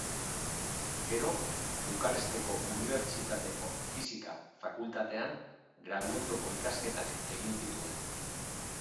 Gero, Bukaresteko Unibertsitateko Fisika Fakultatean graduondoko ikasketak egin zituen.